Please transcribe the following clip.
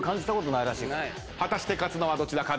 果たして勝つのはどちらか？